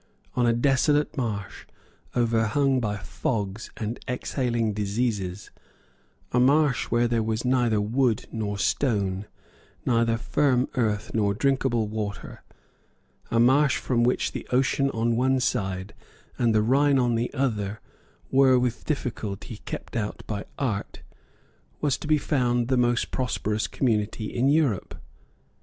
On a desolate marsh overhung by fogs and exhaling diseases, a marsh where there was neither wood nor stone, neither firm earth nor drinkable water, a marsh from which the ocean on one side and the Rhine on the other were with difficulty kept out by art, was to be found the most prosperous community in Europe.